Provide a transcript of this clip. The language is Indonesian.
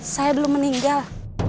saya belum meninggal